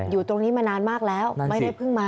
อยู่ตรงนี้มานานมากแล้วไม่ได้เพิ่งมา